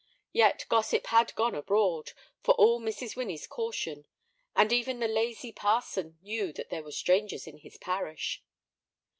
Yet gossip had gone abroad, for all Mrs. Winnie's caution, and even the lazy parson knew that there were strangers in his parish.